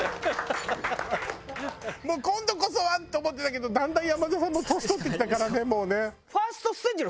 今度こそは！と思ってたけどだんだん山田さんも年取ってきたからねもうね。